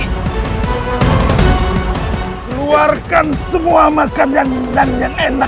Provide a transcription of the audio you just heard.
keluarkan semua makan yang enak enak